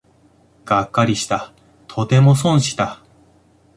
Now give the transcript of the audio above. がっかりした、とても損した